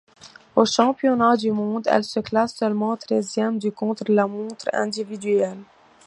Aux championnats du monde, elle se classe seulement treizième du contre-la-montre individuel.